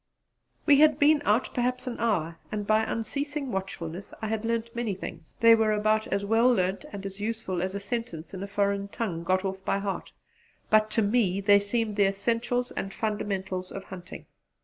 We had been out perhaps an hour, and by unceasing watchfulness I had learnt many things: they were about as well learnt and as useful as a sentence in a foreign tongue got off by heart; but to me they seemed the essentials and the fundamentals of hunting.